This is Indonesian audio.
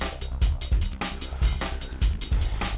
aku harus kasih tau ray